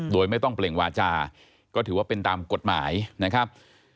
โดยไม่ต้องเปล่งวาจาก็ถือว่าเป็นตามกฎหมายนะครับ